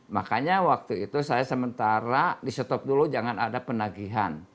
makanya waktu itu saya sementara di stop dulu jangan ada penagihan